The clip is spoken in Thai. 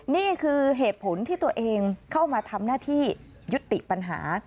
นี่คือเหตุผลที่ตัวเองเข้ามาทำหน้าที่ยุติปัญหา